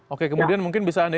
oke kemudian mungkin bisa anda